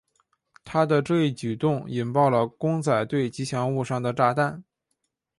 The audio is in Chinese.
他的这一举动引爆了牛仔队吉祥物上的炸弹。